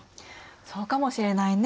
そうかもしれないね。